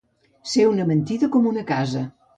Ser una mentida com una casa.